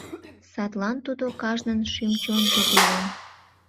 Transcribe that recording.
Садлан тудо кажнын шӱм-чонжо пелен.